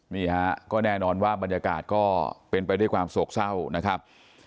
นี่ฮะก็แน่นอนว่าบรรยากาศก็เป็นไปด้วยความโศกเศร้านะครับ